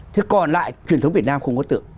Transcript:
thế còn lại truyền thống việt nam không có tượng